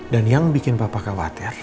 dan yang bikin bapak khawatir